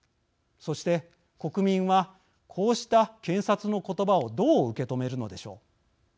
そして、国民はこうした検察の言葉をどう受け止めるのでしょう。